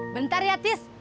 bentar ya tis